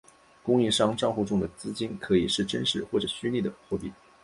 供应商帐户中的资金可以是真实或者虚构的货币。